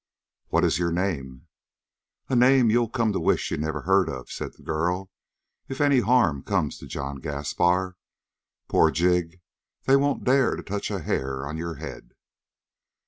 "What is your name?" "A name you'll come to wish you'd never heard," said the girl, "if any harm comes to John Gaspar. Poor Jig, they won't dare to touch a hair of your head!"